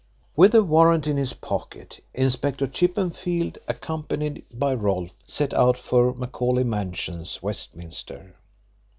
With a warrant in his pocket Inspector Chippenfield, accompanied by Rolfe, set out for Macauley Mansions, Westminster.